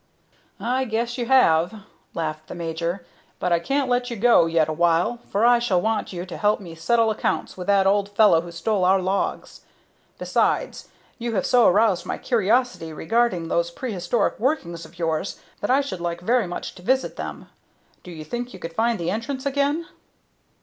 "I guess you have," laughed the major; "but I can't let you go yet a while, for I shall want you to help me settle accounts with that old fellow who stole our logs. Besides, you have so aroused my curiosity regarding those prehistoric workings of yours that I should like very much to visit them. Do you think you could find the entrance again?"